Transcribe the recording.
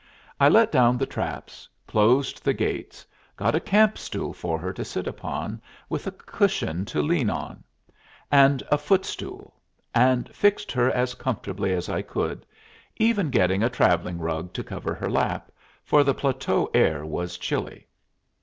I let down the traps, closed the gates, got a camp stool for her to sit upon, with a cushion to lean back on, and a footstool, and fixed her as comfortably as I could, even getting a travelling rug to cover her lap, for the plateau air was chilly.